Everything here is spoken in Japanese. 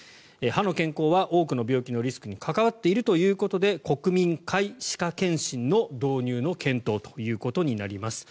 歯の健康は多くの病気のリスクに関わっているということで国民皆歯科検診の導入の検討ということになります。